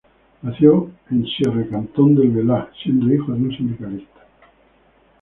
Nació en Sierre, cantón del Valais, siendo hijo de un sindicalista.